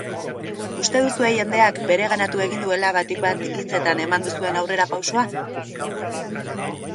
Uste duzue jendeak bereganatu egin duela batik bat hitzetan eman duzuen aurrerapausoa?